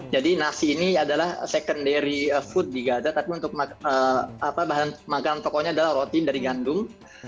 jadi nasi ini adalah secondary food di gaza tapi untuk makanan pokoknya adalah roti dari gandum